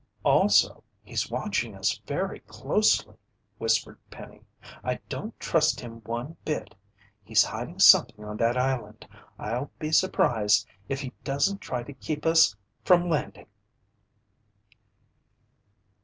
"Also, he's watching us very closely," whispered Penny. "I don't trust him one bit! He's hiding something on that island! I'll be surprised if he doesn't try to keep us from landing."